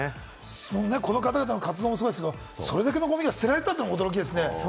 この方々の活動もすごいですが、それだけのゴミが捨てられたというのもすごいですね。